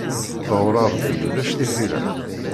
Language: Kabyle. Ɣur Ṛebbi ulac tiḥila.